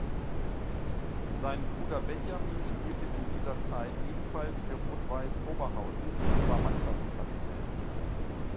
Sein Bruder Benjamin spielte in dieser Zeit ebenfalls für Rot-Weiß Oberhausen und war Mannschaftskapitän.